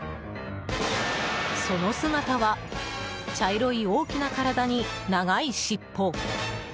その姿は茶色い大きな体に長い尻尾。